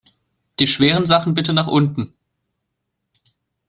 Die schweren Sachen bitte nach unten!